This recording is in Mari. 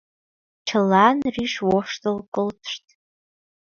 Чылан рӱж воштыл колтышт.